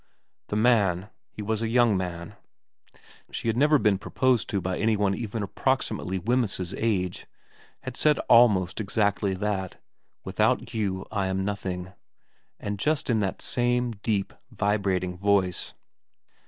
The man he was a young man ; she had never been 68 VERA v proposed to by any one even approximately Wemyss's age had said almost exactly that : Without you I am nothing. And just in that same deep, vibrating voice.